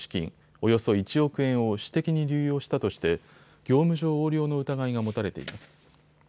およそ１億円を私的に流用したとして業務上横領の疑いが持たれています。